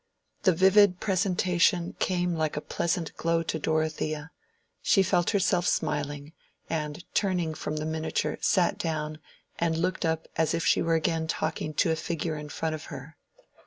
The vivid presentation came like a pleasant glow to Dorothea: she felt herself smiling, and turning from the miniature sat down and looked up as if she were again talking to a figure in front of her.